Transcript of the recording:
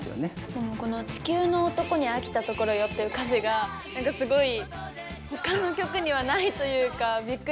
でもこの「地球の男にあきたところよ」っていう歌詞がなんかすごい他の曲にはないというかびっくりしちゃったんですけど。